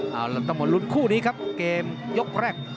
เอาล่ะต้องมาลุ้นคู่นี้ครับเกมยกแรก